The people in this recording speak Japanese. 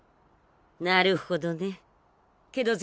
なるほどねけど銭